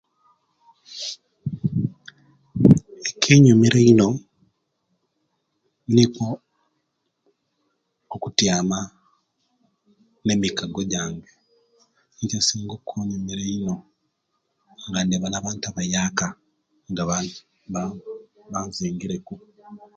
Ekinyumira eino nikwo okutyama ne mikago gyange egisinga okunyumira eino nga njaba nabo abantu abayaka nga banzingire ku